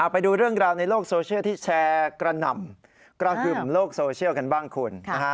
ไปดูเรื่องราวในโลกโซเชียลที่แชร์กระหน่ำกระหึ่มโลกโซเชียลกันบ้างคุณ